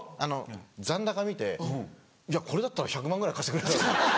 残高見てこれだったら１００万円ぐらい貸してくれるだろう。